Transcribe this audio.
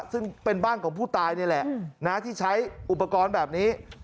ซึ่งเป็นบ้านของผู้ตายนี่แหละที่ใช้อุปกรณ์แบบนี้